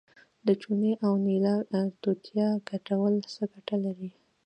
د چونه او نیلا توتیا ګډول څه ګټه لري؟